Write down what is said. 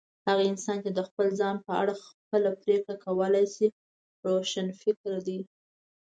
هغه انسان چي د خپل ځان په اړه خپله پرېکړه کولای سي، روښانفکره دی.